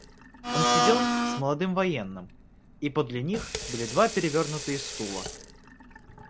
Он сидел с молодым военным, и подле них были два перевернутые стула.